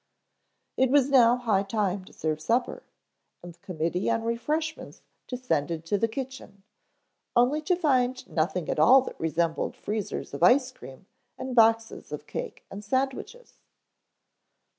It was now high time to serve supper, and the committee on refreshments descended to the kitchen, only to find nothing at all that resembled freezers of ice cream and boxes of cake and sandwiches.